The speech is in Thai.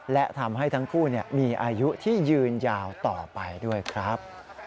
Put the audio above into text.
และทำให้ทั้งคู่มีอายุที่ยืนยาวต่อไปด้วยครับ